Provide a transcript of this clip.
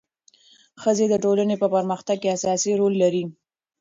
ښځې د ټولنې په پرمختګ کې اساسي رول لري.